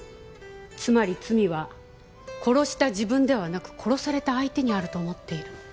つまり罪は殺した自分ではなく殺された相手にあると思っている。